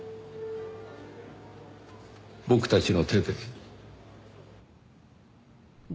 僕たちの手で。